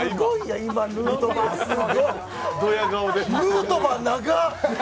ヌートバー、長っ。